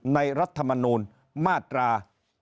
ในรัฐมนุนมาตรา๙